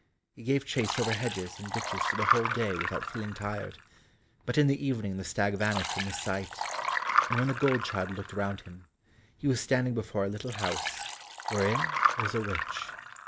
He gave chase over hedges and ditches for the whole day without feeling tired, but in the evening the stag vanished from his sight, and when the gold child looked round him, he was standing before a little house, wherein was a witch.